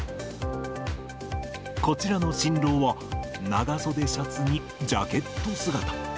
こちらの新郎は、長袖シャツにジャケット姿。